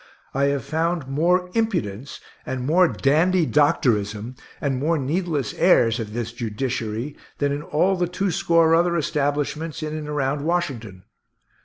I have found more impudence and more dandy doctorism and more needless airs at this Judiciary, than in all the twoscore other establishments in and around Washington.